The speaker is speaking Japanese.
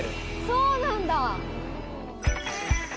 そうなんだ。